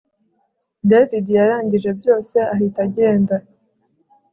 david yarangije byose ahita agenda